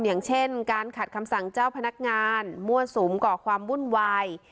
อย่างเช่นการขัดคำสั่งเจ้าพนักงานมั่วสุมก่อความวุ่นวาย